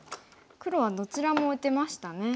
黒はどちらも打てましたね。